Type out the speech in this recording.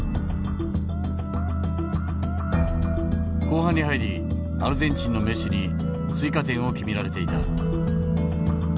後半に入りアルゼンチンのメッシに追加点を決められていた。